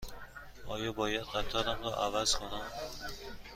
آیا باید قطارم را عوض کنم؟